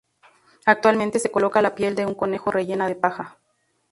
Actualmente se coloca la piel de un conejo rellena de paja.